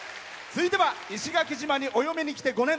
続いては石垣島にお嫁にきて２５年。